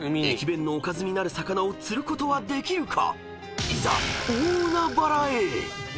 弁のおかずになる魚を釣ることはできるか⁉］